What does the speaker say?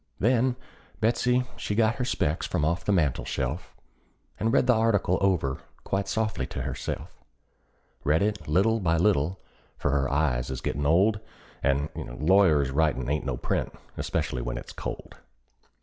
Then Betsey she got her specs from off the mantel shelf, And read the article over quite softly to herself; Read it by little and little, for her eyes is gettin' old, And lawyers' writin' ain't no print, especially when it's cold.